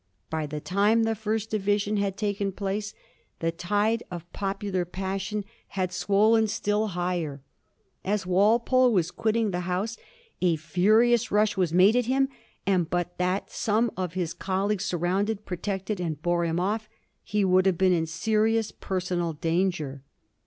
By the time the first division had taken place the tide of popular passion had swollen still higher. As Walpole was quitting the House a furious rush was made at him, and but that some of his colleagues surrounded, protected, and bore him off, he would have been in serious personal danger.